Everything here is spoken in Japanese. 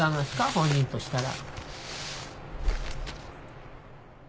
本人としたら。